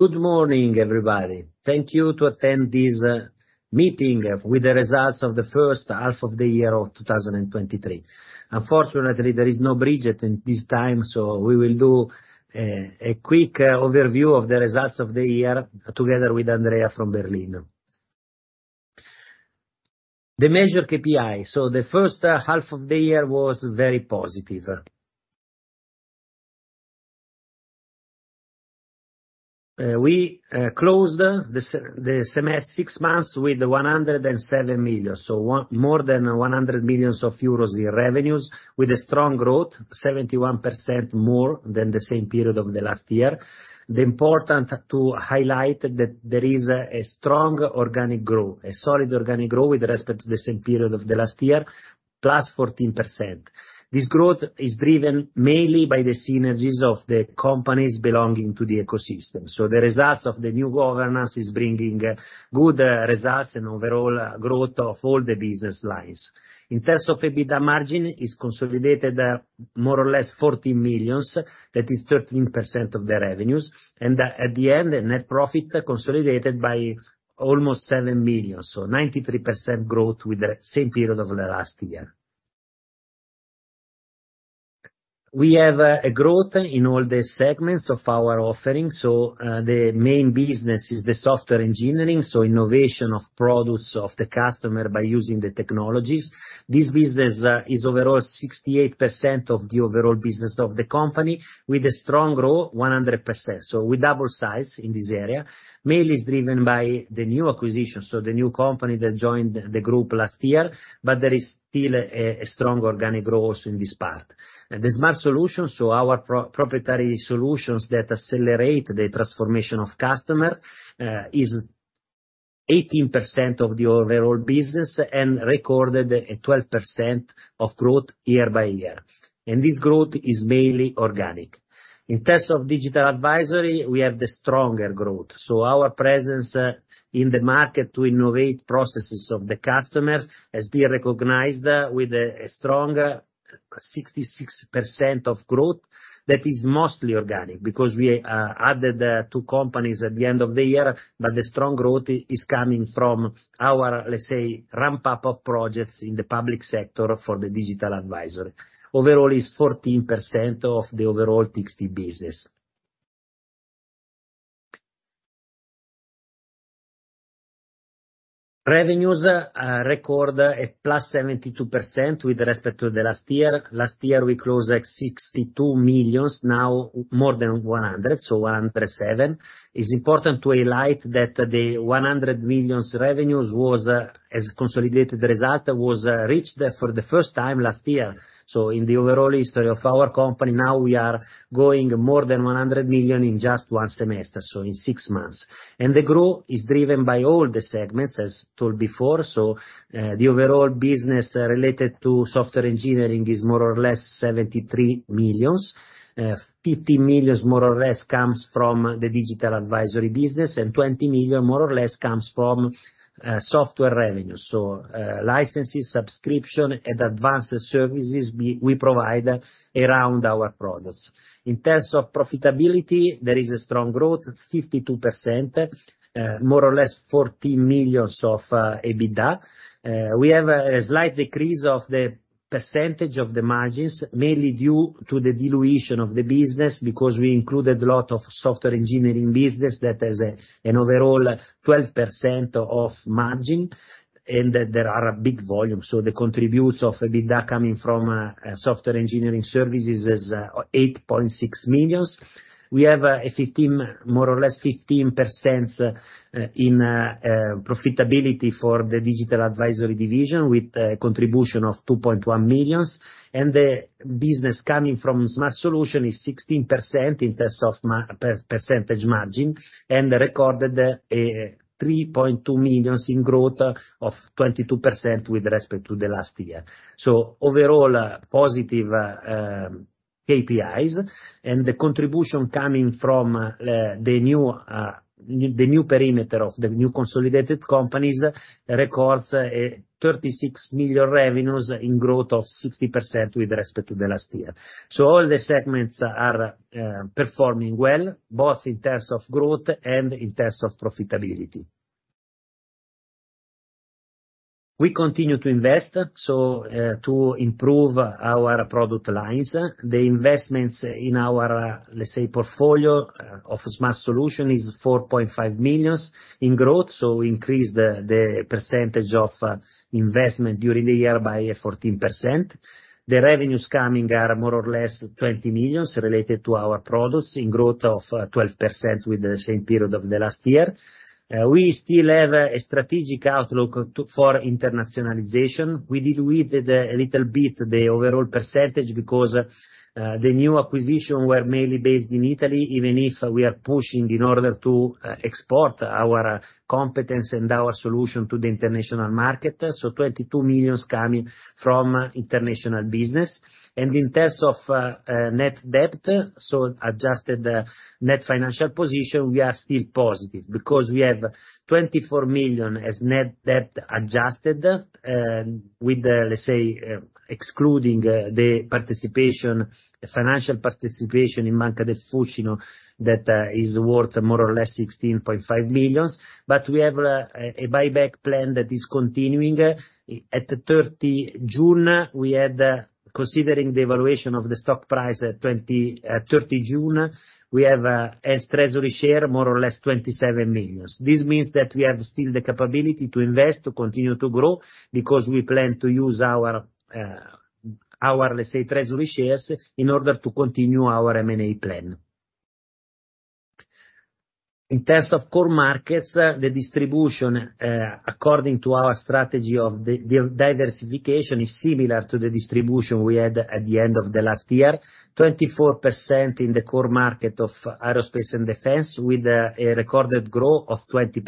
Good morning, everybody. Thank you to attend this meeting with the results of the first half of the year of 2023. Unfortunately, there is no Bridgette in this time, we will do a quick overview of the results of the year together with Andrea from Berlin. The measure KPI. The first half of the year was very positive. We closed the semester, six months, with 107 million, more than 100 million euros in revenues, with a strong growth, 71% more than the same period of the last year. The important to highlight that there is a strong organic growth, a solid organic growth with respect to the same period of the last year, plus 14%. This growth is driven mainly by the synergies of the companies belonging to the ecosystem. The results of the new governance is bringing good results and overall growth of all the business lines. In terms of EBITDA margin, is consolidated more or less 14 million, that is 13% of the revenues, at the end, the net profit consolidated by almost 7 million, so 93% growth with the same period of the last year. We have a growth in all the segments of our offerings, the main business is the software engineering, so innovation of products of the customer by using the technologies. This business is overall 68% of the overall business of the company, with a strong growth, 100%. We double size in this area, mainly is driven by the new acquisitions, so the new company that joined the group last year, but there is still a strong organic growth in this part. The Smart Solutions, so our proprietary solutions that accelerate the transformation of customer, is 18% of the overall business and recorded a 12% of growth year-over-year, and this growth is mainly organic. In terms of Digital Advisory, we have the stronger growth, so our presence in the market to innovate processes of the customers has been recognized with a strong 66% of growth. That is mostly organic, because we added two companies at the end of the year, but the strong growth is coming from our, let's say, ramp up of projects in the public sector for the Digital Advisory. Overall, is 14% of the overall TXT business. Revenues record a 72%+ with respect to the last year. Last year, we closed at 62 million, now more than 100 million, so 107 million. It's important to highlight that the 100 million revenues was, as consolidated result, was reached for the first time last year. In the overall history of our company, now we are going more than 100 million in just one semester, so in six months. The growth is driven by all the segments, as told before. The overall business related to software engineering is more or less 73 million. 50 million, more or less, comes from the digital advisory business, and 20 million, more or less, comes from software revenue. Licenses, subscription, and advanced services we provide around our products. In terms of profitability, there is a strong growth, 52%, more or less 40 million of EBITDA. We have a slight decrease of the percentage of the margins, mainly due to the dilution of the business, because we included a lot of software engineering business that has an overall 12% of margin, and that there are a big volume. The contributes of EBITDA coming from software engineering services is 8.6 million. We have a 15%, more or less 15%, in profitability for the digital advisory division, with a contribution of 2.1 million, and the business coming from smart solution is 16% in terms of percentage margin, and recorded 3.2 million in growth of 22% with respect to the last year. Overall, positive KPIs, and the contribution coming from the new perimeter of the new consolidated companies records 36 million revenues in growth of 60% with respect to the last year. All the segments are performing well, both in terms of growth and in terms of profitability. We continue to invest to improve our product lines. The investments in our, let's say, portfolio, of smart solution is 4.5 million in growth. We increased the, the percentage of investment during the year by 14%. The revenues coming are more or less 20 million related to our products, in growth of 12% with the same period of the last year. We still have a strategic outlook for internationalization. We did with it a little bit, the overall percentage, because, the new acquisition were mainly based in Italy, even if we are pushing in order to export our competence and our solution to the international market. 22 million coming from international business. In terms of net debt, so adjusted the net financial position, we are still positive, because we have 24 million as net debt adjusted with the, let's say, excluding the participation, financial participation in Banca del Fucino, that is worth more or less 16.5 million. We have a buyback plan that is continuing. At the 30 June, we had, considering the evaluation of the stock price at 20, 30 June, we have as treasury share, more or less 27 million. This means that we have still the capability to invest, to continue to grow, because we plan to use our, our, let's say, treasury shares in order to continue our M&A plan. In terms of core markets, the distribution, according to our strategy of the diversification, is similar to the distribution we had at the end of the last year. 24% in the core market of aerospace and defense, with a recorded growth of 20%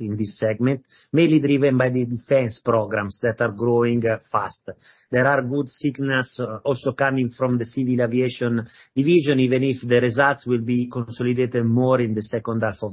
in this segment, mainly driven by the defense programs that are growing fast. There are good signals also coming from the civil aviation division, even if the results will be consolidated more in the second half of the year.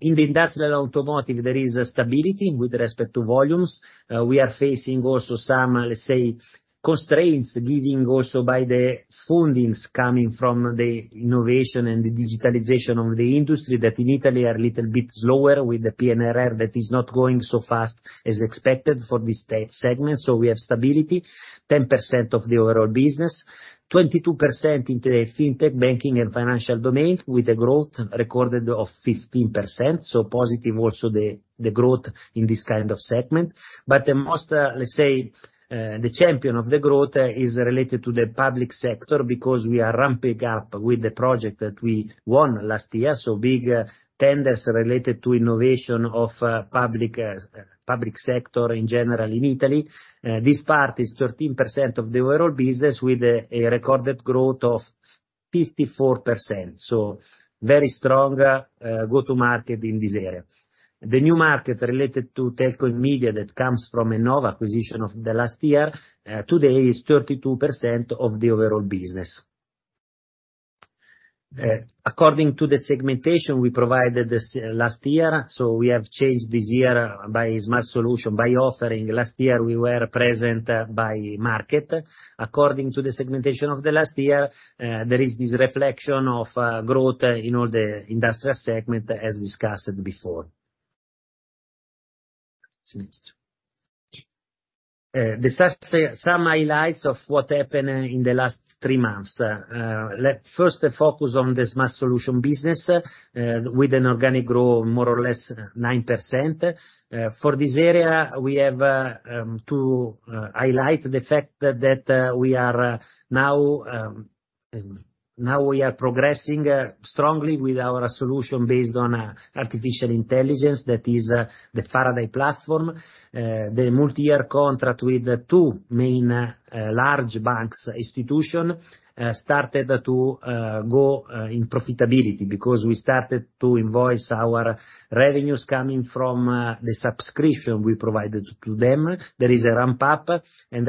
In the industrial automotive, there is a stability with respect to volumes. We are facing also some, let's say, constraints, giving also by the fundings coming from the innovation and the digitalization of the industry, that in Italy are a little bit slower with the PNRR that is not going so fast as expected for this segment. We have stability, 10% of the overall business. 22% in the fintech, banking, and financial domain, with a growth recorded of 15%, so positive also the growth in this kind of segment. The most, let's say, the champion of the growth is related to the public sector, because we are ramping up with the project that we won last year, so big tenders related to innovation of public sector in general, in Italy. This part is 13% of the overall business, with a recorded growth of 54%, so very strong go-to-market in this area. The new market related to telco and media, that comes from an Ennova acquisition of the last year, today is 32% of the overall business. According to the segmentation we provided this last year, we have changed this year by smart solution, by offering. Last year, we were present by market. According to the segmentation of the last year, there is this reflection of growth in all the industrial segment, as discussed before. Some highlights of what happened in the last three months. Let first focus on the smart solution business, with an organic growth, more or less, 9%. For this area, we have to highlight the fact that we are now progressing strongly with our solution based on artificial intelligence, that is the Faraday platform. The multi-year contract with the two main large banks institution started to go in profitability, because we started to invoice our revenues coming from the subscription we provided to them. There is a ramp up. I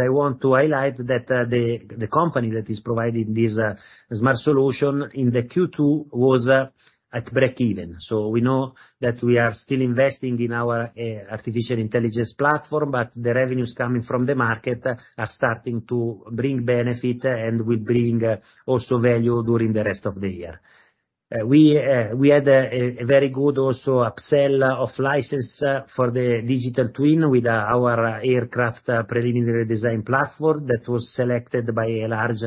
want to highlight that the company that is providing this smart solution in the Q2 was at breakeven. We know that we are still investing in our artificial intelligence platform, but the revenues coming from the market are starting to bring benefit, and will bring also value during the rest of the year. We had a very good also upsell of license for the digital twin with our aircraft preliminary design platform, that was selected by a large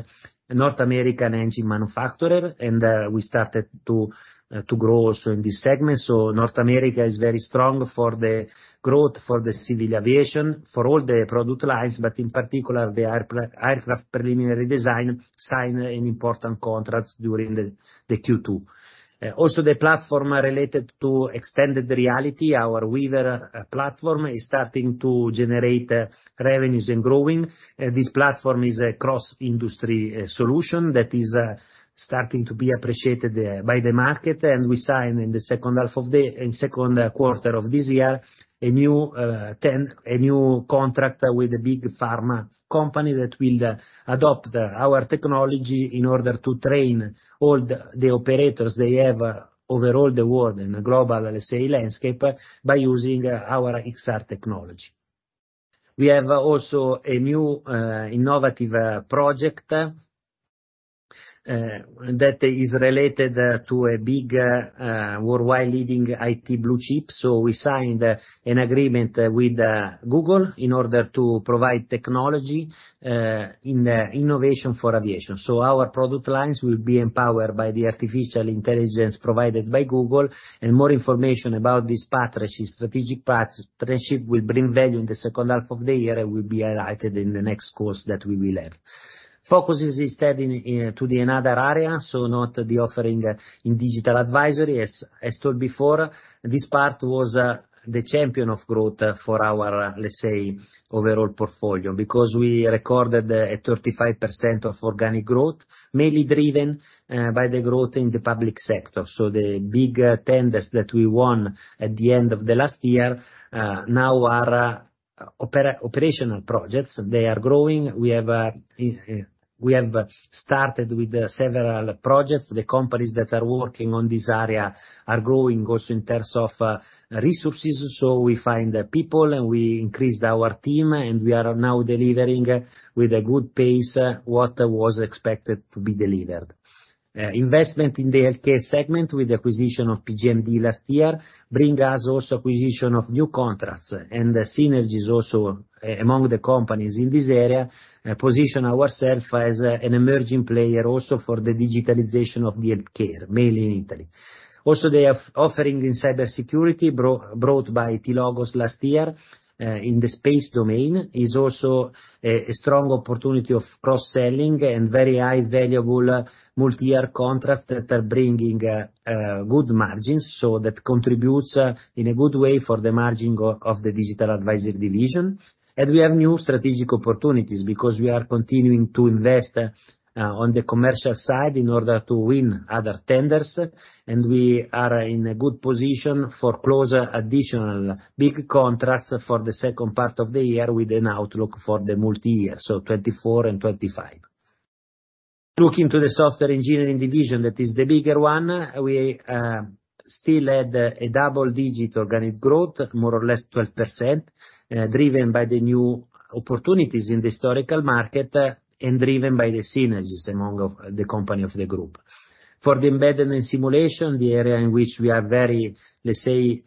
North American engine manufacturer. We started to grow also in this segment. North America is very strong for the growth for the civil aviation, for all the product lines, but in particular, the aircraft preliminary design signed important contracts during the Q2. Also, the platform related to extended reality, our Weaver platform, is starting to generate revenues and growing. This platform is a cross-industry solution that is starting to be appreciated by the market, and we signed in the second half of the, in second quarter of this year, a new, a new contract with a big pharma company that will adopt our technology in order to train all the operators they have over all the world, in a global, let's say, landscape, by using our XR technology. We have also a new innovative project that is related to a big, worldwide leading IT blue chip. We signed an agreement with Google LLC in order to provide technology in the innovation for aviation. Our product lines will be empowered by the artificial intelligence provided by Google, and more information about this partnership, strategic partnership, will bring value in the second half of the year and will be highlighted in the next course that we will have. Focus is instead in to the another area, so not the offering in digital advisory. As, as told before, this part was the champion of growth for our, let's say, overall portfolio, because we recorded a 35% of organic growth, mainly driven by the growth in the public sector. The big tenders that we won at the end of the last year, now are operational projects, they are growing. We have, we have started with several projects. The companies that are working on this area are growing also in terms of resources, so we find people, and we increased our team, and we are now delivering with a good pace, what was expected to be delivered. Investment in the healthcare segment with the acquisition of PGMD last year, bring us also acquisition of new contracts and synergies also among the companies in this area, position ourself as an emerging player also for the digitalization of the healthcare, mainly in Italy. The offering in cybersecurity brought by TLogos last year, in the space domain, is also a strong opportunity of cross-selling and very high valuable multi-year contracts that are bringing good margins, so that contributes in a good way for the margin of the digital advisory division. We have new strategic opportunities because we are continuing to invest on the commercial side in order to win other tenders, and we are in a good position for close additional big contracts for the second part of the year with an outlook for the multi-year, so 2024 and 2025. Looking to the software engineering division, that is the bigger one, we still had a double-digit organic growth, more or less 12%, driven by the new opportunities in the historical market and driven by the synergies among of the company of the group. For the embedded and simulation, the area in which we are very, let's say,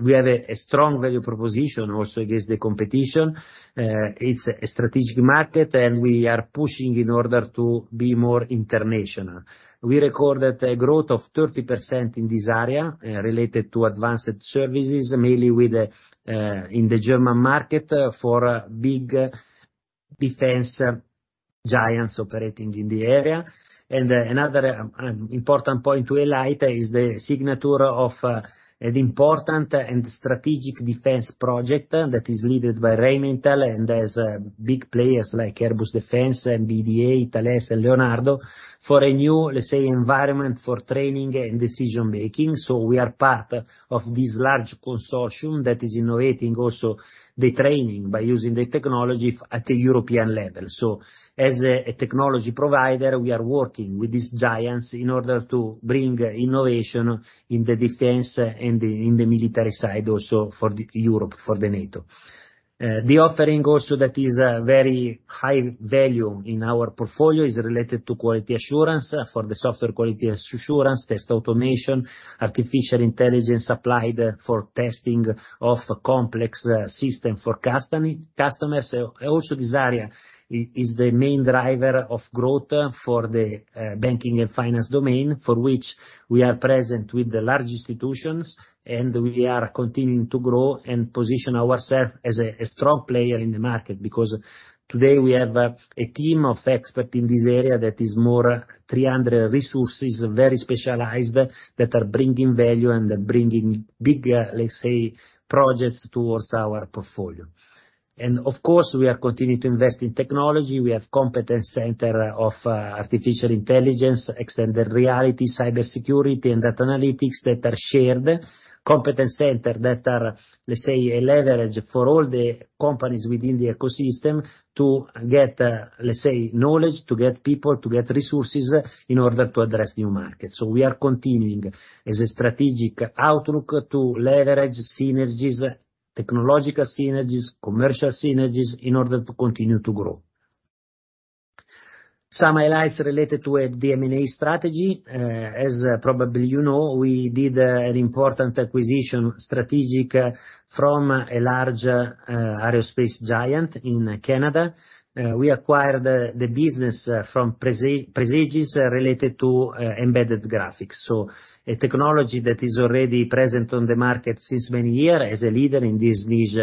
we have a strong value proposition also against the competition, it's a strategic market, and we are pushing in order to be more international. We recorded a growth of 30% in this area, related to advanced services, mainly with the in the German market for big defense giants operating in the area. Another important point to highlight is the signature of an important and strategic defense project that is led by Rheinmetall, and there's big players like Airbus Defence, MBDA, Thales, and Leonardo, for a new, let's say, environment for training and decision making. We are part of this large consortium that is innovating also the training by using the technology at a European level. As a technology provider, we are working with these giants in order to bring innovation in the defense and in the military side, also for the Europe, for the NATO. The offering also that is a very high value in our portfolio is related to quality assurance. For the software quality assurance, test automation, artificial intelligence applied for testing of complex system for customers. Also, this area is the main driver of growth for the banking and finance domain, for which we are present with the large institutions, and we are continuing to grow and position ourselves as a strong player in the market. Because today we have a team of experts in this area that is more 300 resources, very specialized, that are bringing value and bringing big, let's say, projects towards our portfolio. Of course, we are continuing to invest in technology. We have competence center of artificial intelligence, extended reality, cybersecurity, and data analytics that are shared. Competence center that are, let's say, a leverage for all the companies within the ecosystem to get, let's say, knowledge, to get people, to get resources in order to address new markets. We are continuing as a strategic outlook to leverage synergies, technological synergies, commercial synergies, in order to continue to grow. Some highlights related to the M&A strategy. As probably you know, we did an important acquisition strategic from a large aerospace giant in Canada. We acquired the business from Presagis, related to embedded graphics. A technology that is already present on the market since many years, as a leader in this niche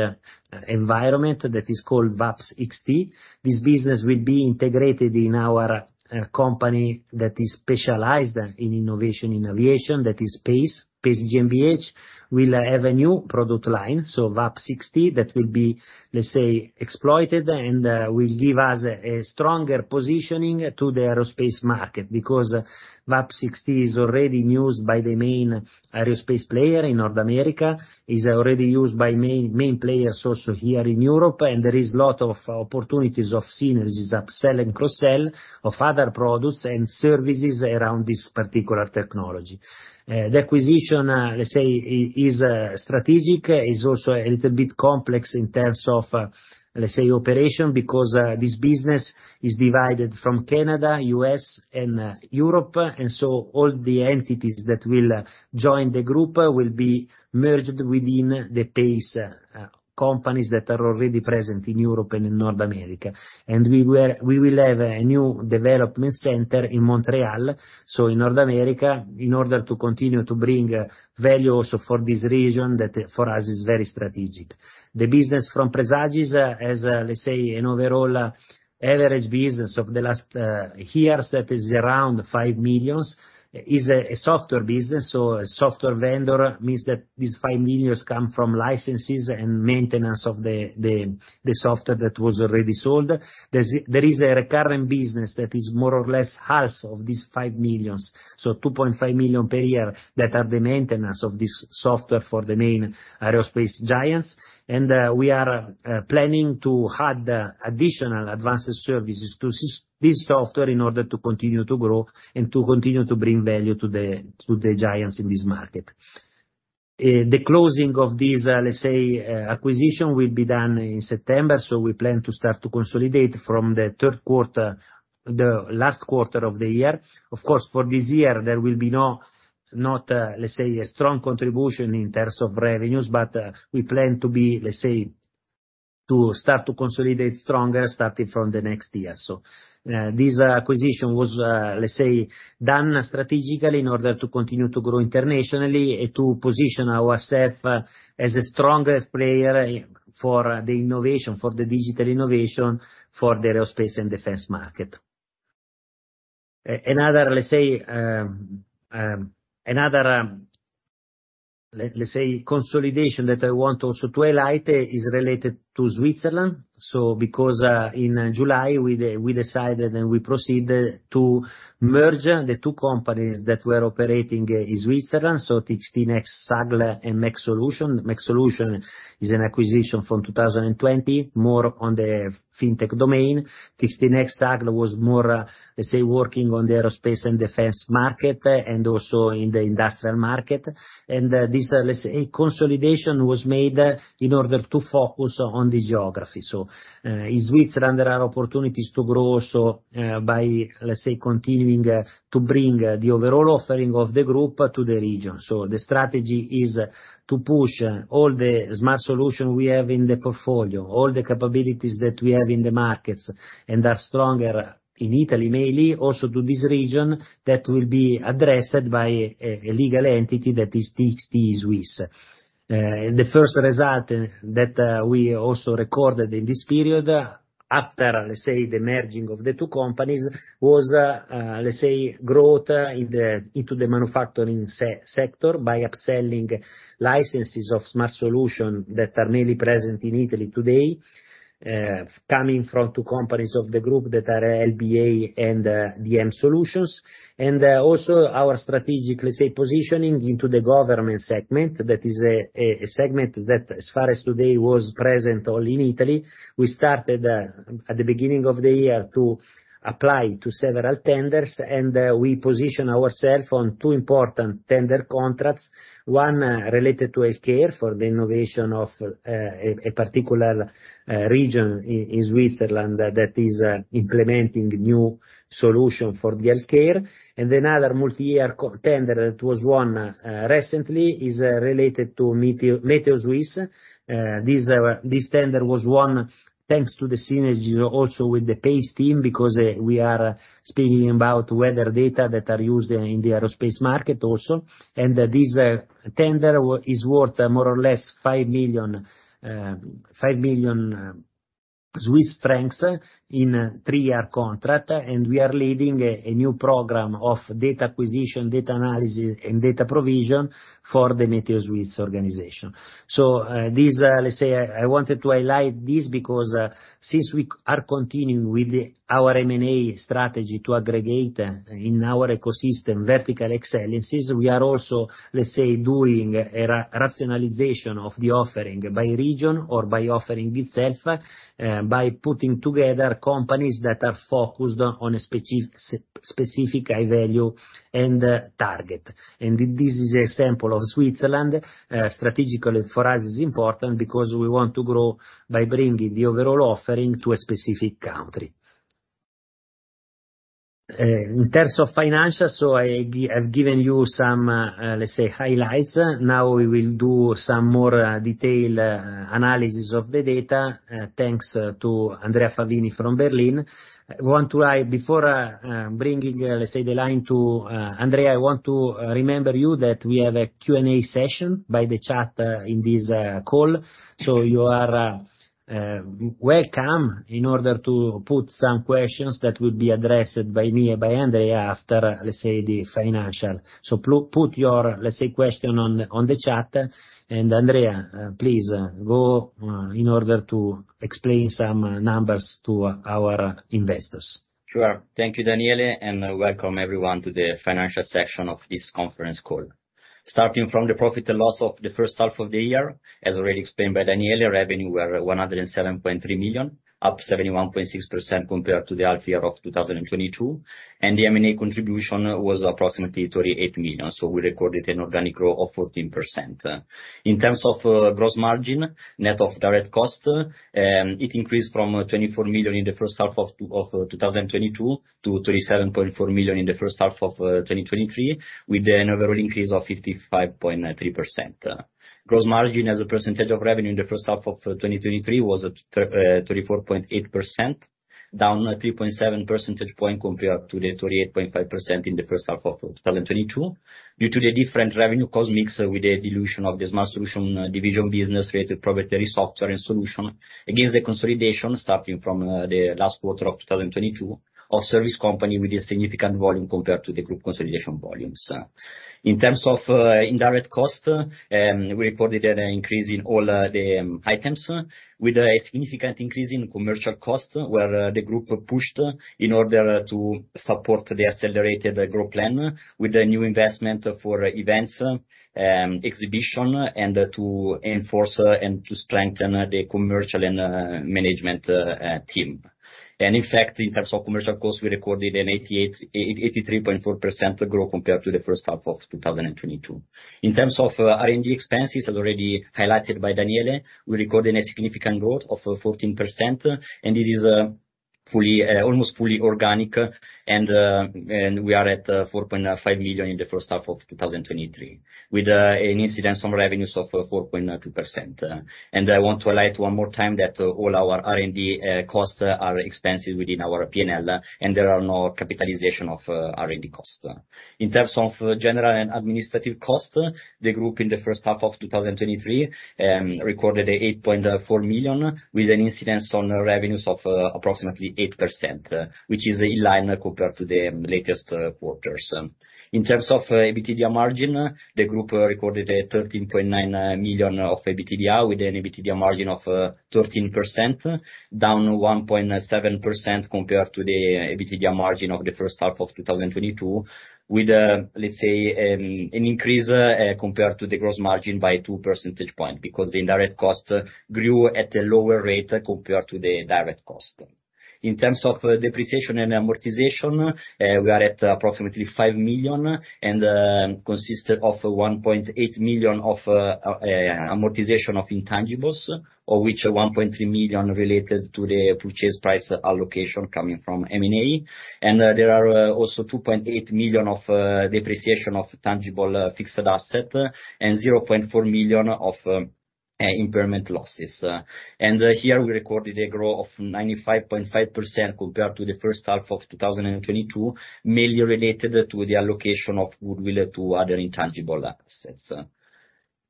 environment that is called VAPS XT. This business will be integrated in our company that is specialized in innovation, in aviation, that is PACE. PACE GmbH will have a new product line, so VAPS XT, that will be, let's say, exploited and will give us a stronger positioning to the aerospace market, because VAPS XT is already used by the main aerospace player in North America, is already used by main, main players also here in Europe, and there is a lot of opportunities of synergies, upselling, cross-sell of other products and services around this particular technology. The acquisition, let's say, is strategic, is also a little bit complex in terms of, let's say, operation, because this business is divided from Canada, U.S., and Europe, and so all the entities that will join the group will be merged within the PACE companies that are already present in Europe and in North America. We will have a new development center in Montreal, so in North America, in order to continue to bring value also for this region, that for us is very strategic. The business from Presagis, as, let's say, an overall average business of the last years, that is around 5 million, is a software business. A software vendor means that these 5 million come from licenses and maintenance of the software that was already sold. There is a recurring business that is more or less half of these 5 million, so 2.5 million per year, that are the maintenance of this software for the main aerospace giants. We are planning to add additional advanced services to this software in order to continue to grow and to continue to bring value to the, to the giants in this market. The closing of this, let's say, acquisition, will be done in September, we plan to start to consolidate from the third quarter, the last quarter of the year. Of course, for this year, there will be not, let's say, a strong contribution in terms of revenues, but we plan to be, let's say, to start to consolidate stronger starting from the next year. This acquisition was, let's say, done strategically in order to continue to grow internationally, and to position ourself as a stronger player for the innovation, for the digital innovation, for the aerospace and defense market. Another consolidation that I want also to highlight, is related to Switzerland. In July, we decided, and we proceeded to merge the two companies that were operating in Switzerland, so Txtnext SAGL and Mexolution. Mexolution is an acquisition from 2020, more on the fintech domain. Txtnext SAGL was more working on the aerospace and defense market, and also in the industrial market. This consolidation was made in order to focus on the geography. In Switzerland, there are opportunities to grow, so by continuing to bring the overall offering of the group to the region. The strategy is to push all the smart solution we have in the portfolio, all the capabilities that we have in the markets, and are stronger in Italy, mainly, also to this region, that will be addressed by a legal entity that is Txt E-Swiss. The first result that we also recorded in this period, after, let's say, the merging of the two companies was, let's say, growth into the manufacturing sector by upselling licenses of smart solution that are mainly present in Italy today, coming from two companies of the group that are LBA and DM Solutions. Also our strategic, let's say, positioning into the government segment, that is a segment that, as far as today, was present only in Italy. We started at the beginning of the year to apply to several tenders, and we position ourselves on two important tender contracts. One related to healthcare, for the innovation of a particular region in Switzerland, that is implementing new solution for the healthcare. Another multi-year tender that was won recently, is related to MeteoSwiss. This tender was won, thanks to the synergy also with the PACE team, because we are speaking about weather data that are used in the aerospace market also. This tender is worth more or less 5 million Swiss francs in a three-year contract, and we are leading a new program of data acquisition, data analysis, and data provision for the MeteoSwiss organization. This, I wanted to highlight this because since we are continuing with our M&A strategy to aggregate in our ecosystem, vertical excellences, we are also doing a rationalization of the offering by region or by offering itself, by putting together companies that are focused on a specific high value and target. This is an example of Switzerland. Strategically for us, it's important, because we want to grow by bringing the overall offering to a specific country. In terms of financial, I've given you some highlights. Now we will do some more detailed analysis of the data, thanks to Andrea Favini from Berlin. I want to before bringing, let's say, the line to Andrea, I want to remember you that we have a Q&A session by the chat in this call. You are welcome in order to put some questions that will be addressed by me and by Andrea after, let's say, the financial. Put your, let's say, question on the, on the chat, and Andrea, please go in order to explain some numbers to our investors. Sure. Thank you, Daniele, welcome everyone to the financial section of this conference call. Starting from the profit and loss of the first half of the year, as already explained by Daniele, revenue were 107.3 million, up 71.6% compared to the half year of 2022. The M&A contribution was approximately 38 million, so we recorded an organic growth of 14%. In terms of gross margin, net of direct costs, it increased from 24 million in the first half of 2022, to 37.4 million in the first half of 2023, with an overall increase of 55.3%. Gross margin, as a percentage of revenue in the first half of 2023, was at 34.8%, down 3.7 percentage point compared to the 38.5% in the first half of 2022. Due to the different revenue cost mix with the dilution of the smart solution division business related proprietary software and solution, against the consolidation starting from the last quarter of 2022, our service company with a significant volume compared to the group consolidation volumes. In terms of indirect costs, we reported an increase in all the items, with a significant increase in commercial costs, where the group pushed in order to support the accelerated growth plan, with a new investment for events, exhibition, and to enforce and to strengthen the commercial and management team. In fact, in terms of commercial costs, we recorded an 83.4% growth compared to the first half of 2022. In terms of R&D expenses, as already highlighted by Daniele, we recorded a significant growth of 14%, and this is fully almost fully organic, and we are at 4.5 million in the first half of 2023, with an incidence on revenues of 4.2%. I want to highlight one more time that all our R&D costs are expenses within our P&L, and there are no capitalization of R&D costs. In terms of general and administrative costs, the group in the first half of 2023 recorded 8.4 million, with an incidence on revenues of approximately 8%, which is in line compared to the latest quarters. In terms of EBITDA margin, the group recorded 13.9 million of EBITDA, with an EBITDA margin of 13%, down 1.7% compared to the EBITDA margin of the first half of 2022, with an increase compared to the gross margin by 2 percentage points because the indirect cost grew at a lower rate compared to the direct cost. In terms of depreciation and amortization, we are at approximately 5 million, and consist of 1.8 million of amortization of intangibles, of which 1.3 million related to the purchase price allocation coming from M&A. There are also 2.8 million of depreciation of tangible fixed asset, and 0.4 million of impairment losses. Here, we recorded a growth of 95.5% compared to the first half of 2022, mainly related to the allocation of goodwill to other intangible assets.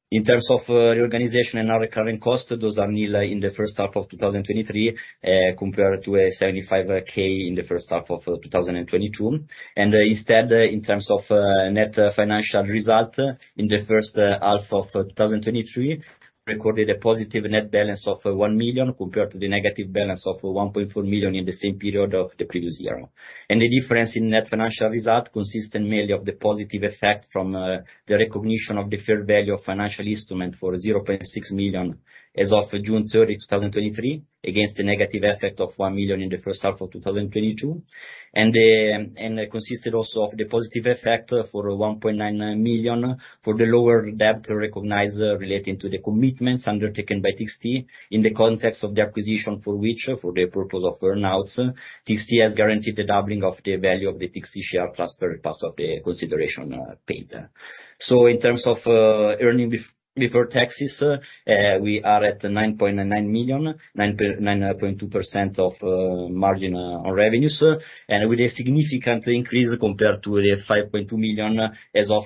In terms of reorganization and our recurring costs, those are nil in the first half of 2023, compared to 75K in the first half of 2022. Instead, in terms of net financial result, in the first half of 2023, recorded a positive net balance of 1 million, compared to the negative balance of 1.4 million in the same period of the previous year. The difference in net financial result, consist mainly of the positive effect from the recognition of the fair value of financial instrument for 0.6 million, as of June 30, 2023, against the negative effect of 1 million in the first half of 2022. Consisted also of the positive effect for 1.9 million, for the lower debt recognized relating to the commitments undertaken by TXT, in the context of the acquisition, for which, for the purpose of earnouts, TXT has guaranteed the doubling of the value of the TXT share transfer plus of the consideration paid. In terms of earning before taxes, we are at 9.9 million, 9.2% of margin on revenues, with a significant increase compared to the 5.2 million as of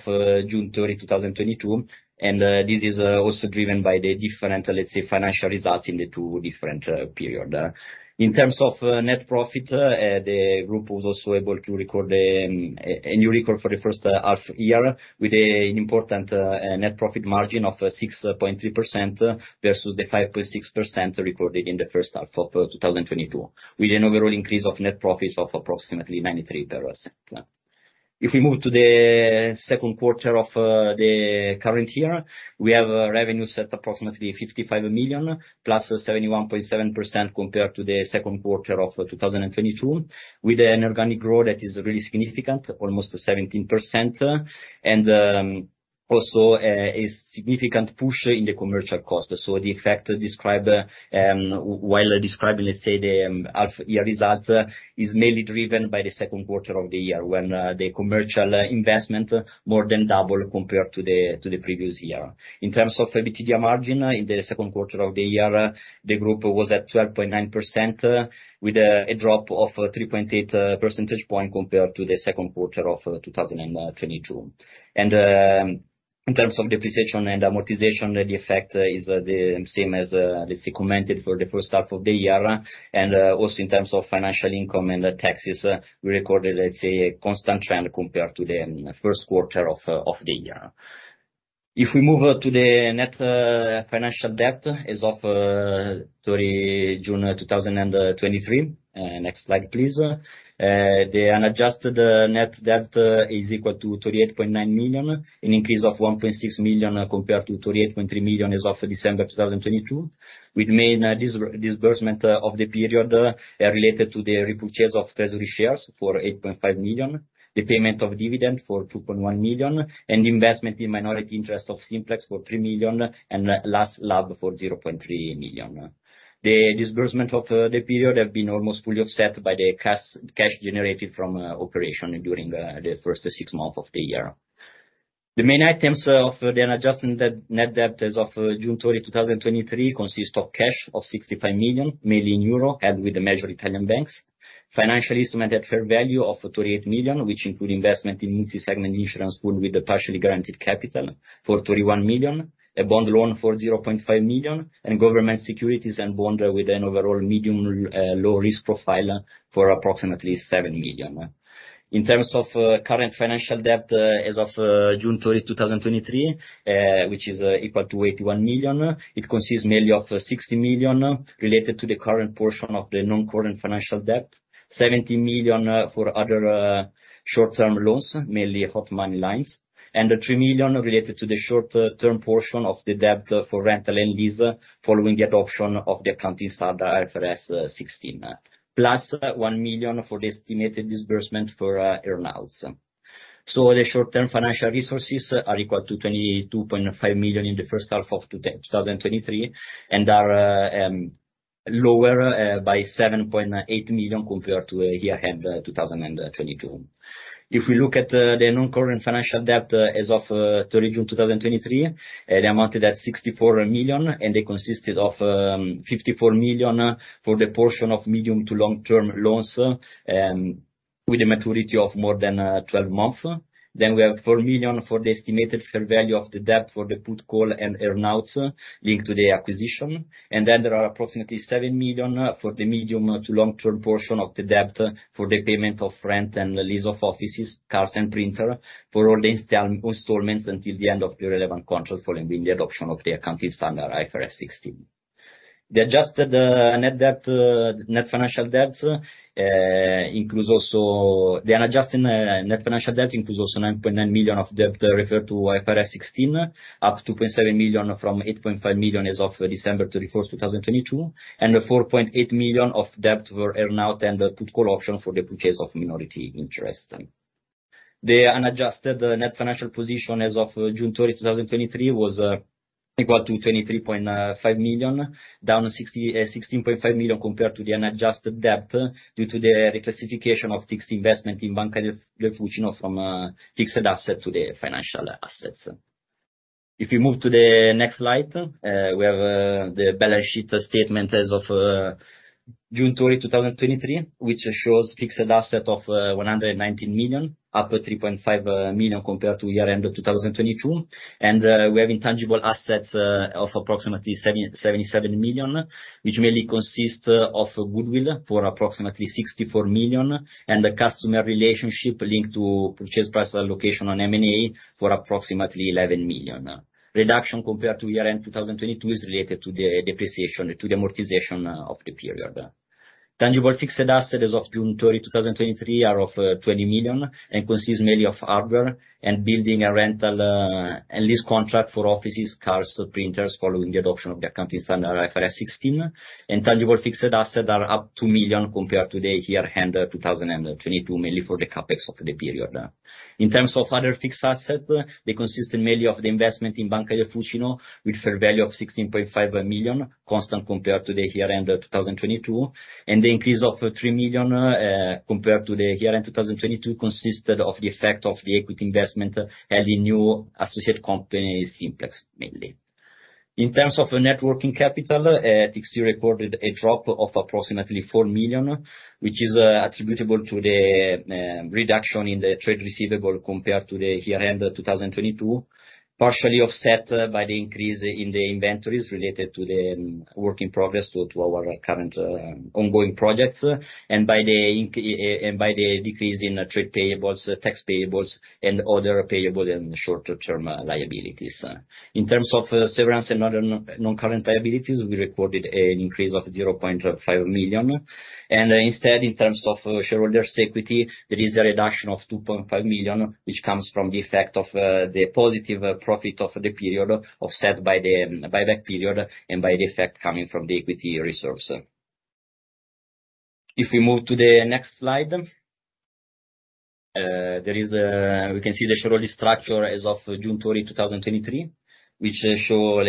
June 30, 2022, this is also driven by the different, let's say, financial results in the two different period. In terms of net profit, the group was also able to record a new record for the first half year, with a important net profit margin of 6.3%, versus the 5.6% recorded in the first half of 2022, with an overall increase of net profits of approximately 93%. If we move to the second quarter of the current year, we have a revenue set approximately 55 million, +71.7% compared to the second quarter of 2022, with an organic growth that is really significant, almost 17%, and also a significant push in the commercial costs. The effect described, while describing, let's say, the half-year results, is mainly driven by the second quarter of the year, when the commercial investment more than double compared to the previous year. In terms of EBITDA margin, in the second quarter of the year, the group was at 12.9%, with a drop of 3.8 percentage point compared to the second quarter of 2022. In terms of depreciation and amortization, the effect is the same as, let's say, commented for the first half of the year. Also in terms of financial income and the taxes, we recorded, let's say, a constant trend compared to the first quarter of the year. If we move to the net financial debt, as of 30 June 2023. Next slide, please. The unadjusted net debt is equal to 38.9 million, an increase of 1.6 million compared to 38.3 million as of December 2022, with main disbursement of the period related to the repurchase of treasury shares for 8.5 million, the payment of dividend for 2.1 million, investment in minority interest of Simplex for 3 million, and last lab for 0.3 million. The disbursement of the period have been almost fully offset by the cash generated from operation during the first six months of the year. The main items of the unadjusted net debt as of June 30, 2023, consist of cash of 65 million, mainly in euro, and with the major Italian banks. Financial instrument at fair value of 38 million, which include investment in insurance pool with the partially guaranteed capital for 31 million, a bond loan for 0.5 million, and government securities and bond with an overall medium, low risk profile for approximately 7 million. In terms of current financial debt, as of June 30, 2023, which is equal to 81 million, it consists mainly of 60 million, related to the current portion of the non-current financial debt. 70 million for other short-term loans, mainly hot money lines, and 3 million related to the short-term portion of the debt for rental and lease, following the adoption of the accounting standard IFRS 16. Plus, 1 million for the estimated disbursement for earnouts. The short-term financial resources are equal to 22.5 million in the first half of 2023, and are lower by 7.8 million compared to year end 2022. If we look at the non-current financial debt as of June 30, 2023, it amounted at 64 million, and they consisted of 54 million for the portion of medium to long-term loans, with a maturity of more than 12 months. We have 4 million for the estimated fair value of the debt for the put-call and earnouts, linked to the acquisition. There are approximately 7 million for the medium to long term portion of the debt, for the payment of rent and lease of offices, cars and printer, for all the installments until the end of the relevant contracts, following the adoption of the accounting standard, IFRS 16. The unadjusted net financial debt includes also 9.9 million of debt referred to IFRS 16, up 2.7 million from 8.5 million as of December 31st, 2022, and 4.8 million of debt were earnout and put-call option for the purchase of minority interest. The unadjusted net financial position as of June 30, 2023, was equal to 23.5 million, down 16.5 million compared to the unadjusted debt, due to the reclassification of fixed investment in Banca del Fucino from fixed assets to the financial assets. If we move to the next slide, we have the balance sheet statement as of June 30, 2023, which shows fixed assets of 119 million, up 3.5 million compared to year-end of 2022. We have intangible assets of approximately 77 million, which mainly consist of goodwill for approximately 64 million, and the customer relationship linked to purchase price allocation on M&A for approximately 11 million. Reduction compared to year end 2022, is related to the depreciation, to the amortization of the period. Tangible fixed assets as of June 30, 2023, are of 20 million, and consists mainly of hardware and building a rental and lease contract for offices, cars, printers, following the adoption of the accounting standard, IFRS 16. Intangible fixed assets are up 2 million compared to the year end 2022, mainly for the CapEx of the period. In terms of other fixed assets, they consist mainly of the investment in Banca del Fucino, with fair value of 16.5 million, constant compared to the year end of 2022. The increase of 3 million, compared to the year end 2022, consisted of the effect of the equity investment and the new associate company, Simplex, mainly. In terms of the net working capital, Dixi recorded a drop of approximately 4 million, which is attributable to the reduction in the trade receivable compared to the year end 2022. Partially offset by the increase in the inventories related to the work in progress to our current ongoing projects, and by the decrease in trade payables, tax payables, and other payable and shorter term liabilities. In terms of severance and other non-current liabilities, we recorded an increase of 0.5 million. Instead, in terms of shareholders' equity, there is a reduction of 2.5 million, which comes from the effect of the positive profit of the period, offset by the buyback period and by the effect coming from the equity reserves. If we move to the next slide, We can see the shareholder structure as of June 30, 2023, which show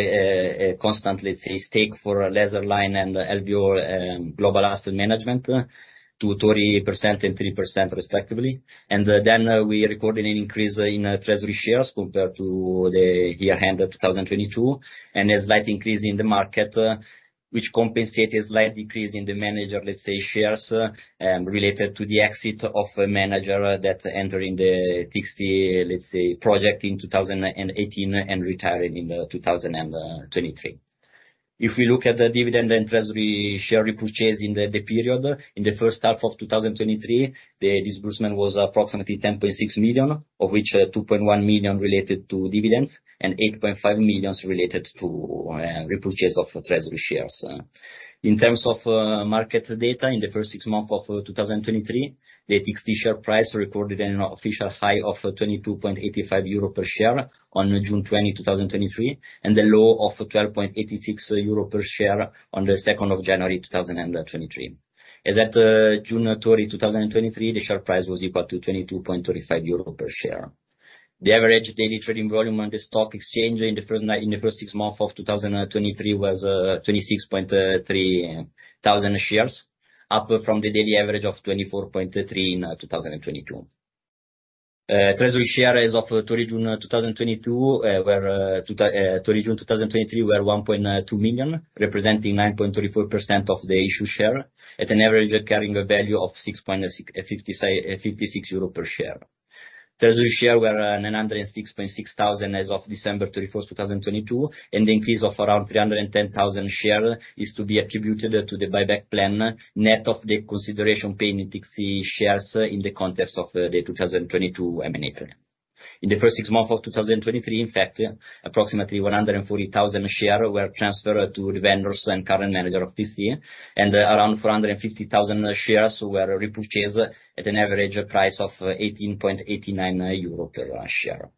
constant, let's say, stake for a Laserline and LBO, Global Asset Management, 230% and 3% respectively. Then we are recording an increase in treasury shares compared to the year end of 2022, and a slight increase in the market, which compensated a slight decrease in the manager shares, related to the exit of a manager that enter in the Dixi project in 2018, and retiring in 2023. If we look at the dividend and treasury share repurchase in the period, in the first half of 2023, the disbursement was approximately 10.6 million, of which 2.1 million related to dividends, and 8.5 millions related to repurchase of treasury shares. In terms of market data, in the first 6 months of 2023, the Dixi share price recorded an official high of 22.85 euro per share on June 20, 2023, and a low of 12.86 euro per share on the second of January 2023. As at June 30, 2023, the share price was equal to 22.35 euro per share. The average daily trading volume on the stock exchange in the first 6 months of 2023, was 26.3 thousand shares, up from the daily average of 24.3 in 2022. Treasury shares as of June 30, 2022, were, June 30, 2023, were 1.2 million, representing 9.34% of the issued share, at an average carrying value of 6.56 euro per share. Treasury share were 906.6 thousand as of December 31, 2022, and the increase of around 310 thousand share is to be attributed to the buyback plan, net of the consideration paying Dixi shares in the context of the 2022 M&A plan. In the first 6 months of 2023, in fact, approximately 140,000 share were transferred to the vendors and current manager of Dixi, and around 450,000 shares were repurchased at an average price of 18.89 euro per share.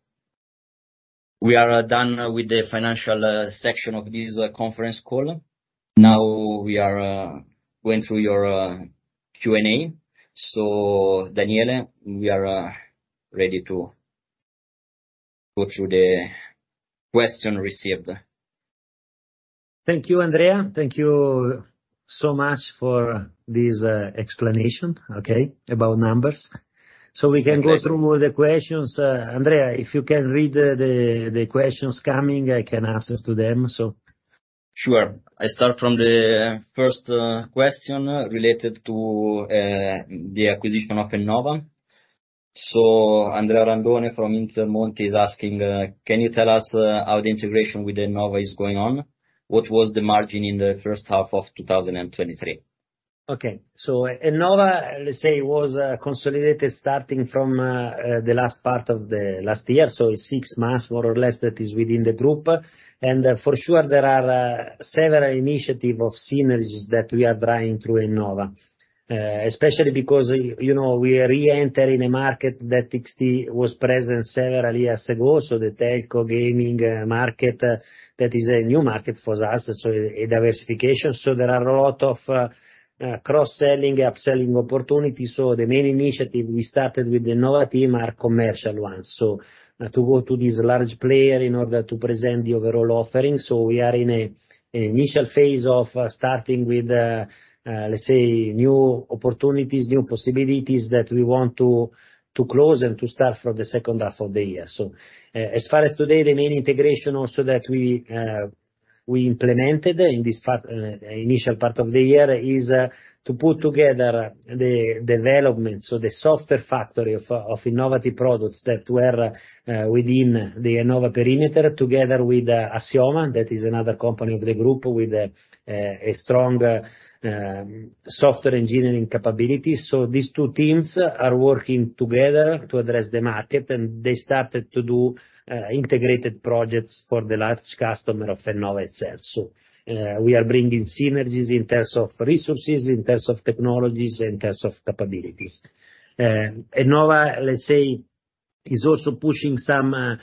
We are done with the financial section of this conference call. Now we are going through your Q&A. Daniele, we are ready to go through the question received. Thank you, Andrea. Thank you so much for this explanation, okay, about numbers. We can go- Exactly through the questions, Andrea, if you can read the, the, the questions coming, I can answer to them, so. Sure. I start from the first question related to the acquisition of Ennova. Andrea Randone from Intermonte is asking, "Can you tell us how the integration with Ennova is going on? What was the margin in the first half of 2023? Ennova, let's say, was consolidated starting from the last part of the last year, so 6 months, more or less, that is within the group. For sure, there are several initiatives of synergies that we are driving through Ennova. Especially because, you know, we are re-entering a market that TXT was present several years ago, so the telco gaming market, that is a new market for us, so a diversification. There are a lot of cross-selling, upselling opportunities, so the main initiative we started with Ennova team are commercial ones, so to go to this large player in order to present the overall offering. We are in a, a initial phase of starting with, let's say, new opportunities, new possibilities that we want to, to close and to start for the second half of the year. As far as today, the main integration also that we implemented in this part, initial part of the year, is to put together the development, so the software factory of, of innovative products that were within the Ennova perimeter, together with Assioma, that is another company of the group with a strong software engineering capability. These two teams are working together to address the market, and they started to do integrated projects for the large customer of Ennova itself. We are bringing synergies in terms of resources, in terms of technologies, in terms of capabilities. Ennova, let's say, is also pushing some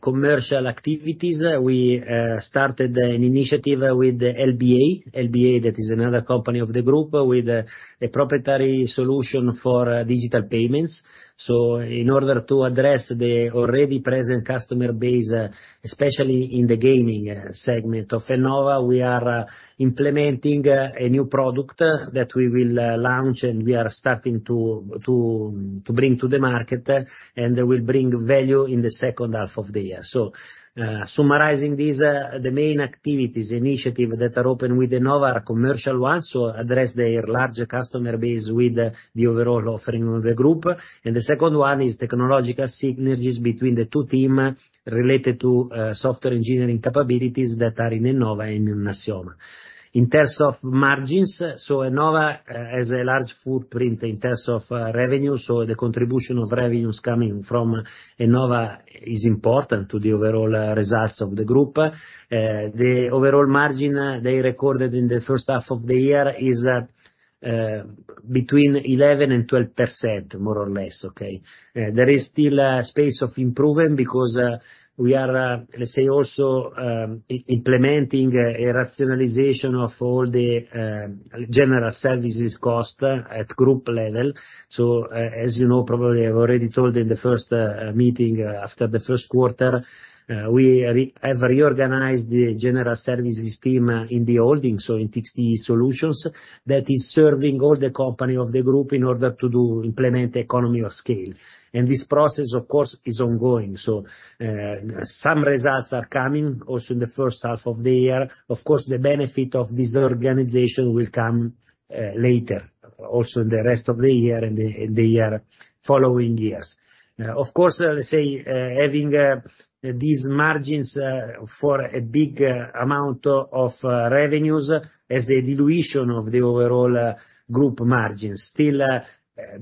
commercial activities. We started an initiative with the LBA. LBA, that is another company of the group with a proprietary solution for digital payments. In order to address the already present customer base, especially in the gaming segment of Ennova, we are implementing a new product that we will launch, and we are starting to, to, to bring to the market, and that will bring value in the second half of the year. Summarizing these, the main activities, initiative that are open with Ennova are commercial ones, so address their larger customer base with the overall offering of the group. The second one is technological synergies between the two team related to software engineering capabilities that are in Ennova and in Assioma. In terms of margins, so Ennova, has a large footprint in terms of revenue, so the contribution of revenues coming from Ennova is important to the overall results of the group. The overall margin they recorded in the first half of the year is between 11% and 12%, more or less, okay? There is still space of improvement because we are, let's say, also implementing a rationalization of all the general services cost at group level. As you know, probably I've already told in the first meeting after the first quarter, we have reorganized the general services team in the holding, so in TXT e-solutions, that is serving all the company of the group in order to do implement economy of scale. This process, of course, is ongoing. Some results are coming also in the first half of the year. Of course, the benefit of this organization will come later, also in the rest of the year and the following years. Of course, let's say, having these margins for a big amount of revenues, as the dilution of the overall group margins, still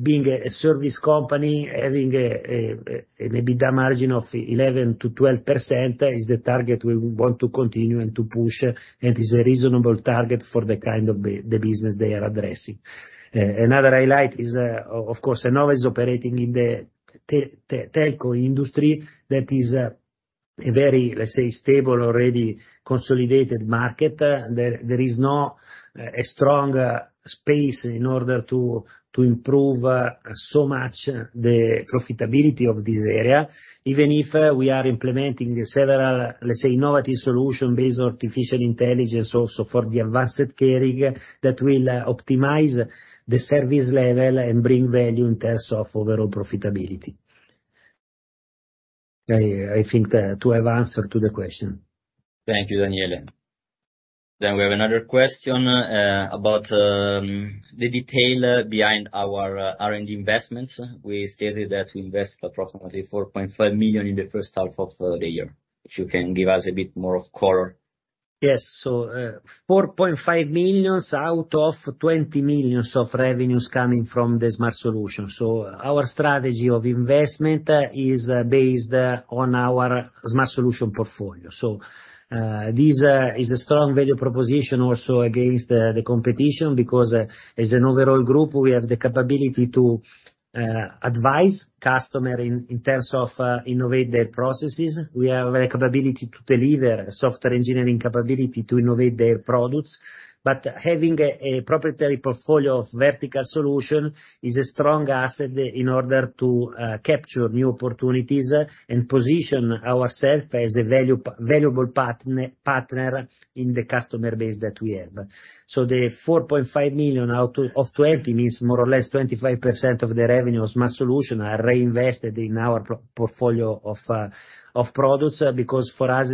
being a service company, having an EBITDA margin of 11%-12% is the target we want to continue and to push, and is a reasonable target for the kind of the business they are addressing. Another highlight is of course, Ennova is operating in the telco industry that is a very, let's say, stable, already consolidated market. There, there is no a strong space in order to, to improve so much the profitability of this area. Even if we are implementing several, let's say, innovative solution based on artificial intelligence also for the advanced caring, that will optimize the service level and bring value in terms of overall profitability. I, I think to have answered to the question. Thank you, Daniele. We have another question about the detail behind our R&D investments. We stated that we invested approximately 4.5 million in the first half of the year. If you can give us a bit more of color? Yes, 4.5 million out of 20 million of revenues coming from the smart solution. Our strategy of investment is based on our smart solution portfolio. This is a strong value proposition also against the competition, because as an overall group, we have the capability to advise customer in terms of innovate their processes. We have a capability to deliver software engineering capability to innovate their products. Having a proprietary portfolio of vertical solution is a strong asset in order to capture new opportunities and position ourself as a valuable partner in the customer base that we have. The 4.5 million out of 20 million means more or less 25% of the revenue of smart solutions are reinvested in our pro- portfolio of products. Because for us,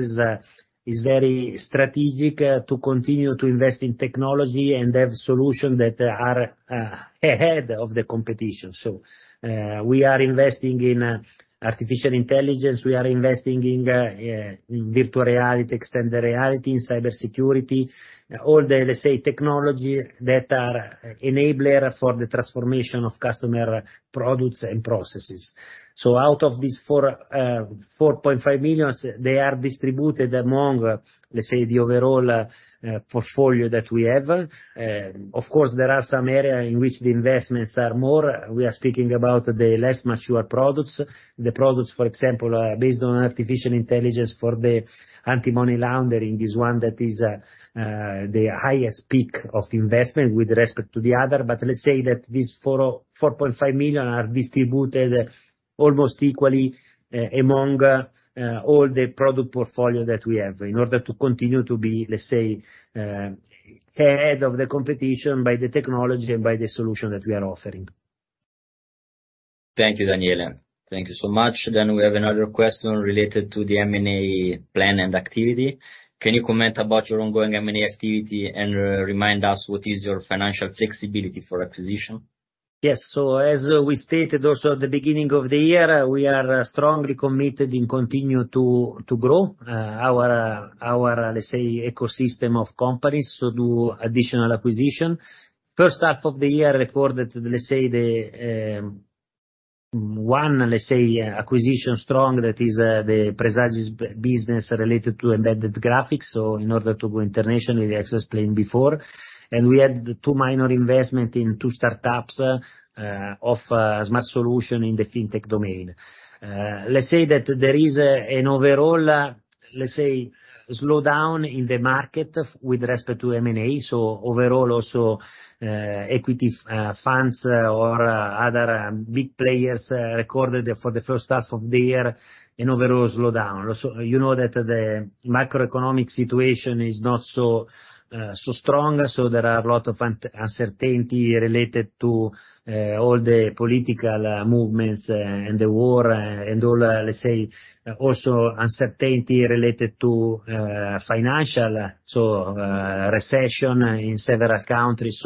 is very strategic to continue to invest in technology and have solution that are ahead of the competition. We are investing in artificial intelligence, we are investing in virtual reality, extended reality, in cybersecurity, all the, let's say, technology that are enabler for the transformation of customer products and processes. Out of these four, 4.5 million, they are distributed among, let's say, the overall portfolio that we have. Of course, there are some area in which the investments are more. We are speaking about the less mature products. The products, for example, based on artificial intelligence for the anti-money laundering, is one that is the highest peak of investment with respect to the other. Let's say that these 4-4.5 million are distributed almost equally among all the product portfolio that we have, in order to continue to be, let's say, ahead of the competition by the technology and by the solution that we are offering. Thank you, Daniele. Thank you so much. We have another question related to the M&A plan and activity. Can you comment about your ongoing M&A activity, and remind us what is your financial flexibility for acquisition? Yes. As we stated also at the beginning of the year, we are strongly committed in continue to, to grow, our, our, let's say, ecosystem of companies, so do additional acquisition. First half of the year recorded, let's say, the, one, let's say, acquisition strong, that is, the Presagis business related to embedded graphics, so in order to go internationally, as explained before. We had two minor investment in two startups, of, smart solution in the fintech domain. Let's say that there is an overall, let's say, slowdown in the market with respect to M&A. Overall, also, equity, funds, or other, big players, recorded for the first half of the year, an overall slowdown. You know that the macroeconomic situation is not so strong, there are a lot of uncertainty related to all the political movements and the war, and all, let's say, also uncertainty related to financial, recession in several countries.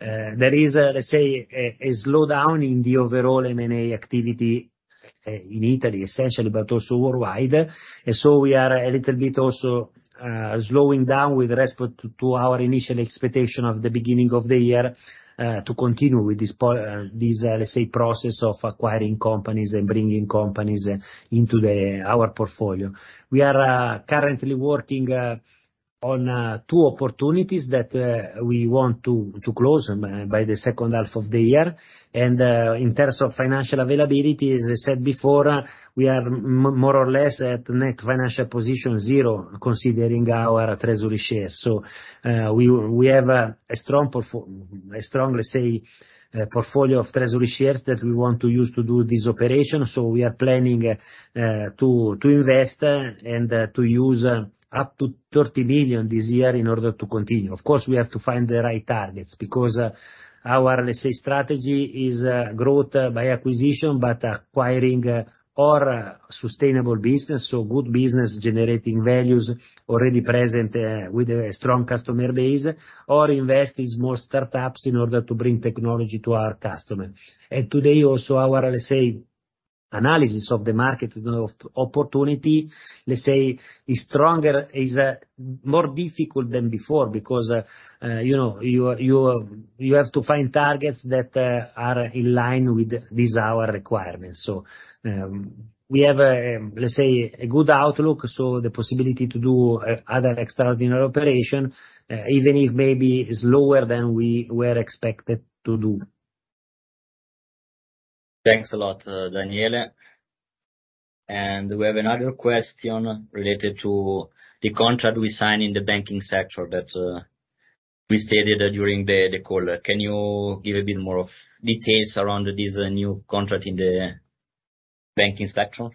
There is, let's say, a slowdown in the overall M&A activity in Italy, essentially, but also worldwide. We are a little bit also slowing down with respect to our initial expectation of the beginning of the year, to continue with this, let's say, process of acquiring companies and bringing companies into our portfolio. We are currently working on two opportunities that we want to close by the second half of the year. In terms of financial availability, as I said before, we are more or less at net financial position zero, considering our treasury shares. We have a strong, let's say, portfolio of treasury shares that we want to use to do this operation. We are planning to invest and to use up to 30 million this year in order to continue. Of course, we have to find the right targets, because our, let's say, strategy is growth by acquisition, but acquiring or sustainable business, so good business generating values already present with a strong customer base, or invest in more start-ups in order to bring technology to our customer. Today, also, our, let's say, analysis of the market of opportunity, let's say, is stronger, is more difficult than before, because, you know, you, you, you have to find targets that are in line with these, our requirements. We have, let's say, a good outlook, so the possibility to do other extraordinary operation, even if maybe is lower than we were expected to do. Thanks a lot, Daniele. We have another question related to the contract we signed in the banking sector that, we stated during the call. Can you give a bit more of details around this new contract in the banking sector?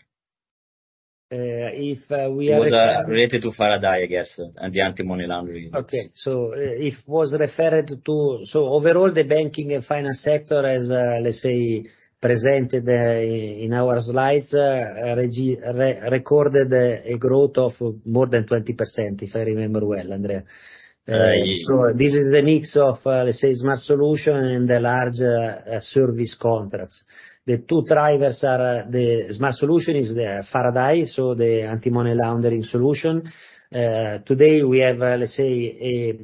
If we are.. It was related to Faraday, I guess, and the anti-money laundering. Okay. If was referred to... Overall, the banking and finance sector as, let's say, presented, in our slides, recorded a growth of more than 20%, if I remember well, Andrea. Yes. This is the mix of, let's say, smart solution and the large service contracts. The two drivers are, the smart solution is the Faraday, the anti-money laundering solution. Today we have, let's say,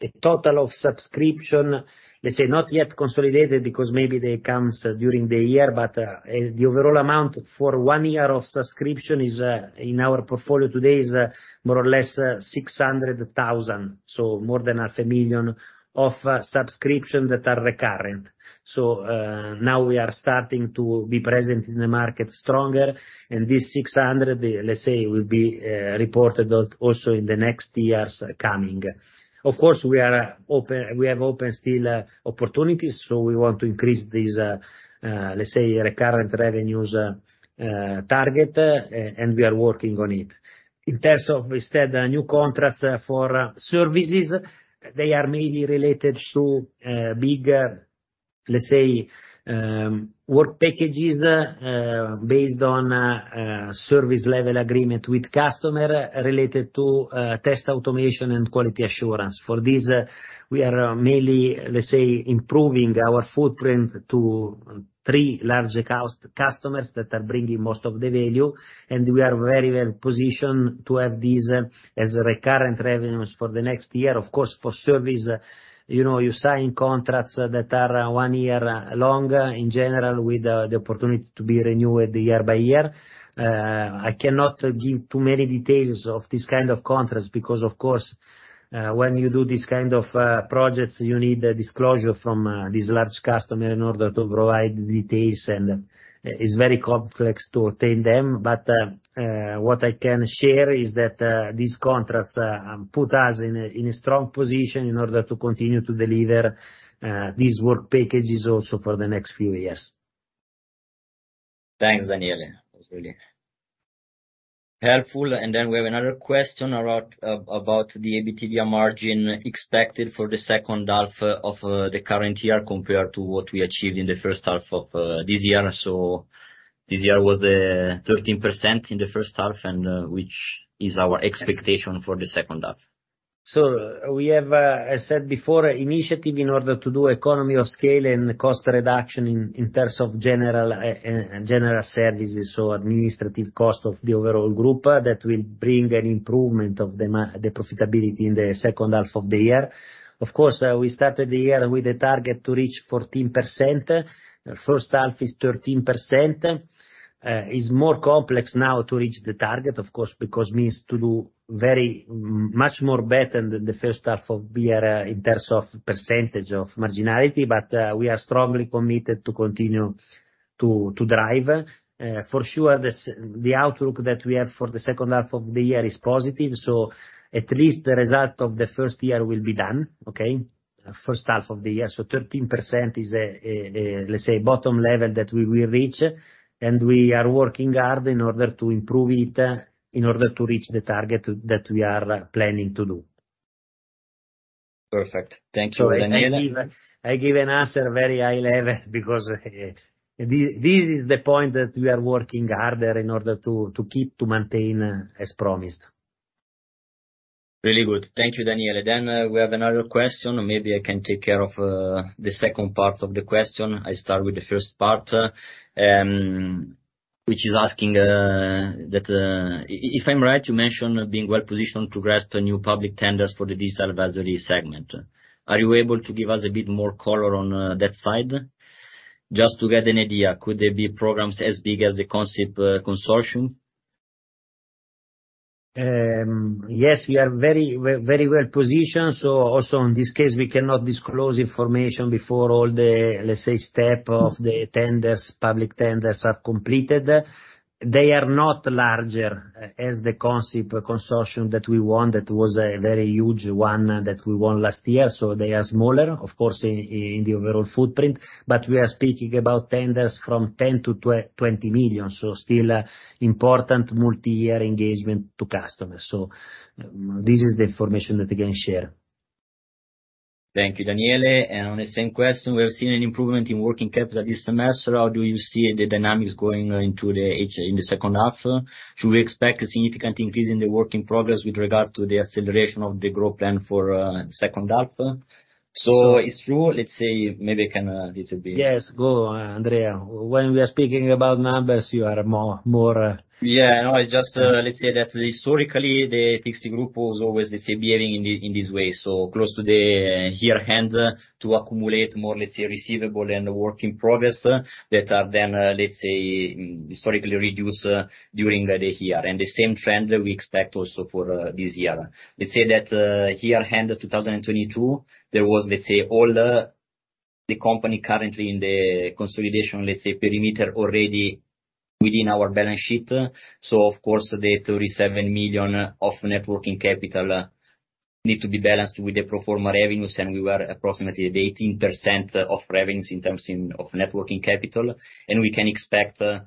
the total of subscription, let's say, not yet consolidated because maybe they comes during the year, but the overall amount for one year of subscription is in our portfolio today is more or less 600,000, so more than 500,000 of subscriptions that are recurrent. Now we are starting to be present in the market stronger, and this 600,000, let's say, will be reported out also in the next years coming. Of course, we have open still opportunities, so we want to increase these, let's say, recurrent revenues target, and we are working on it. In terms of instead, new contracts for services, they are mainly related to bigger, let's say, work packages, based on a service level agreement with customer related to test automation and quality assurance. For this, we are mainly, let's say, improving our footprint to three large customers that are bringing most of the value, and we are very well positioned to have these as recurrent revenues for the next year. Of course, for service, you know, you sign contracts that are one year long, in general, with the opportunity to be renewed year by year. I cannot give too many details of this kind of contracts, because, of course, when you do these kind of projects, you need a disclosure from this large customer in order to provide the details, and it's very complex to obtain them. What I can share is that these contracts put us in a strong position in order to continue to deliver these work packages also for the next few years. Thanks, Daniele. That's really helpful. We have another question about the EBITDA margin expected for the second half of the current year, compared to what we achieved in the first half of this year. This year was 13% in the first half, and which is our expectation for the second half? We have, I said before, initiative in order to do economy of scale and cost reduction in, in terms of general services, so administrative cost of the overall group, that will bring an improvement of the profitability in the second half of the year. Of course, we started the year with a target to reach 14%. The first half is 13%. It's more complex now to reach the target, of course, because it means to do very, much more better than the first half of the year in terms of percentage of marginality, but we are strongly committed to continue to, to drive. For sure, the outlook that we have for the second half of the year is positive, so at least the result of the first year will be done, okay? First half of the year. 13% is a, let's say, bottom level that we will reach, and we are working hard in order to improve it, in order to reach the target that we are planning to do. Perfect. Thank you, Daniele. I give an answer very high level, because, this, this is the point that we are working harder in order to keep, to maintain, as promised. Really good. Thank you, Daniele. We have another question, or maybe I can take care of the second part of the question. I start with the first part, which is asking that, "If I'm right, you mentioned being well positioned to grasp the new public tenders for the Digital Advisory segment. Are you able to give us a bit more color on that side? Just to get an idea, could there be programs as big as the Concept consortium? Yes, we are very, very well positioned. Also in this case, we cannot disclose information before all the, let's say, step of the tenders, public tenders are completed. They are not larger as the concept consortium that we won, that was a very huge one that we won last year. They are smaller, of course, in the overall footprint, but we are speaking about tenders from 10 million-20 million. Still, important multi-year engagement to customers. This is the information that I can share. Thank you, Daniele. On the same question, we have seen an improvement in working capital this semester. How do you see the dynamics going into the second half? Should we expect a significant increase in the working progress with regard to the acceleration of the growth plan for second half? It's true, let's say, maybe you can, little bit- Yes, go, Andrea. When we are speaking about numbers, you are more, more... Yeah, I know, it's just, let's say that historically, the TXT Group was always, let's say, behaving in this way. Close to the year end, to accumulate more, let's say, receivable and working progress, that are then, let's say, historically reduced during the year. The same trend we expect also for this year. Let's say that, year end 2022, there was, let's say, all the, the company currently in the consolidation, let's say, perimeter already within our balance sheet. Of course, the 37 million of net working capital need to be balanced with the pro forma revenues, and we were approximately at 18% of revenues in terms in, of net working capital. We can expect a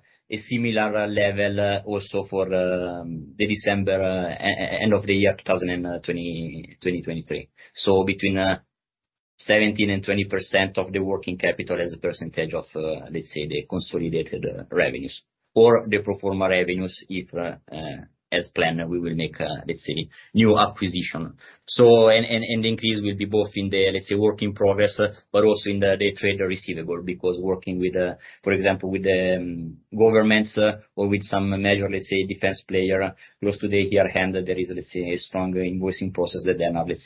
similar level also for the December end of the year 2023. Between 17% and 20% of the working capital as a percentage of let's say, the consolidated revenues or the pro forma revenues, if as planned, we will make let's say, new acquisition. The increase will be both in the let's say, work in progress, but also in the trade receivable, because working with for example, with the governments or with some major let's say, defense player, close to the year end, there is let's say, a stronger invoicing process that then let's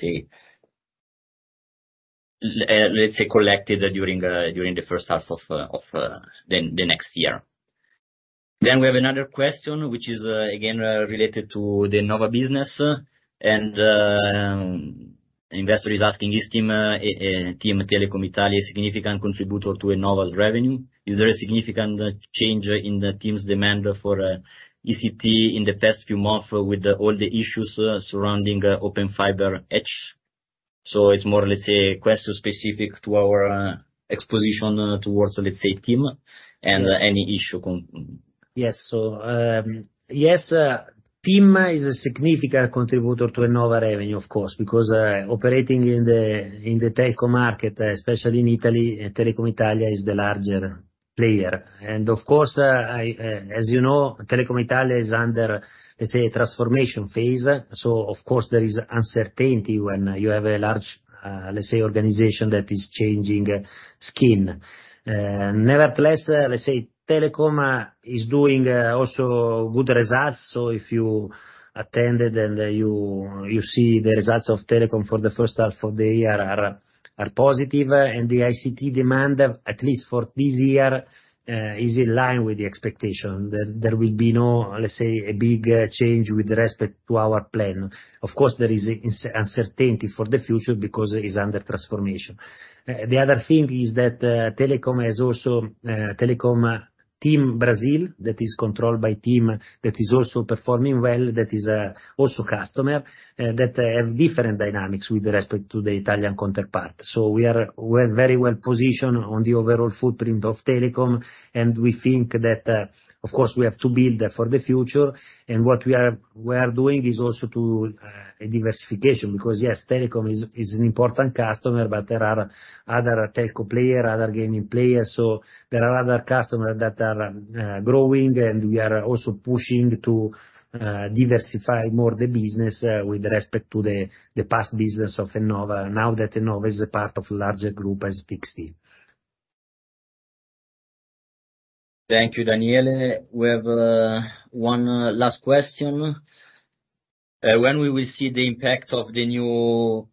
say, collected during the first half of the next year. We have another question, which is, again, related to the Ennova business, and investor is asking, is TIM, TIM Telecom Italia a significant contributor to Ennova's revenue? Is there a significant change in TIM's demand for ECT in the past few months with the, all the issues, surrounding Open Fiber Edge? It's more, let's say, question specific to our, exposition towards, let's say, TIM and any issue. Yes. Yes, TIM is a significant contributor to Ennova revenue, of course, because operating in the telco market, especially in Italy, Telecom Italia is the larger player. Of course, I, as you know, Telecom Italia is under, let's say, a transformation phase. Of course, there is uncertainty when you have a large, let's say, organization that is changing skin. Nevertheless, let's say TIM is doing also good results. If you attended and you, you see the results of TIM for the first half of the year are positive, and the ICT demand, at least for this year, is in line with the expectation. There, there will be no, let's say, a big change with respect to our plan. Of course, there is uncertainty for the future because it is under transformation. The other thing is that, Telecom has also, TIM, Brazil, that is controlled by TIM, that is also performing well, that is also customer that have different dynamics with respect to the Italian counterpart. We are, we're very well positioned on the overall footprint of Telecom, and we think that, of course, we have to build for the future. What we are, we are doing is also to a diversification, because, yes, Telecom is, is an important customer, but there are other telco player, other gaming players. There are other customers that are growing, and we are also pushing to diversify more the business with respect to the, the past business of Ennova, now that Ennova is a part of larger group as TXT. Thank you, Daniele. We have, one last question. When we will see the impact of the new,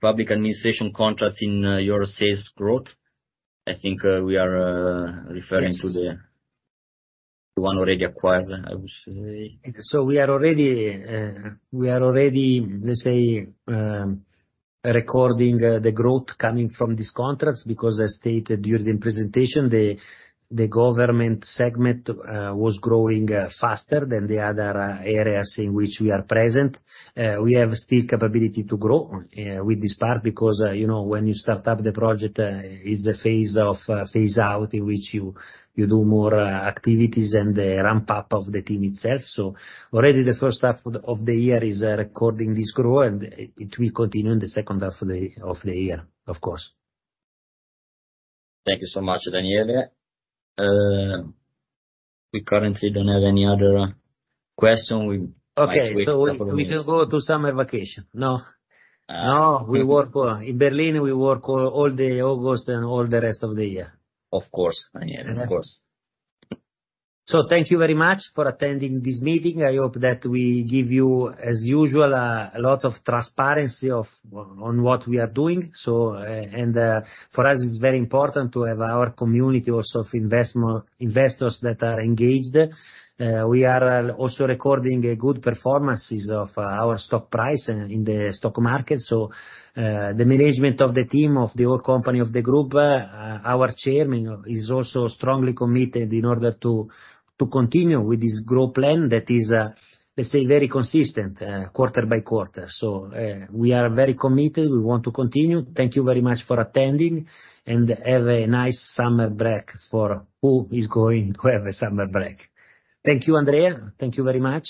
public administration contracts in, your sales growth? I think, we are, referring- Yes. to the one already acquired, I would say. We are already, we are already, let's say, recording the growth coming from these contracts, because as stated during the presentation, the, the government segment was growing faster than the other areas in which we are present. We have still capability to grow with this part, because, you know, when you start up the project, is a phase of phase out in which you, you do more activities and the ramp up of the team itself. Already the first half of the year is recording this growth, and it, it will continue in the second half of the year, of course. Thank you so much, Daniele. We currently don't have any other question. Okay. We can go to summer vacation, no? Uh- No, in Berlin, we work all the August and all the rest of the year. Of course, Daniele, of course. Thank you very much for attending this meeting. I hope that we give you, as usual, a lot of transparency of, on, on what we are doing. For us, it's very important to have our community also of investors that are engaged. We are also recording a good performances of our stock price in, in the stock market. The management of the team, of the whole company, of the group, our chairman is also strongly committed in order to, to continue with this growth plan that is, let's say, very consistent, quarter by quarter. We are very committed. We want to continue. Thank you very much for attending, and have a nice summer break for who is going to have a summer break. Thank you, Andrea. Thank you very much.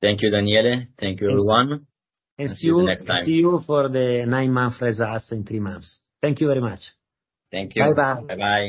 Thank you, Daniele. Thank you, everyone. See. See you next time. See you for the nine-month results in three months. Thank you very much. Thank you. Bye-bye. Bye-bye.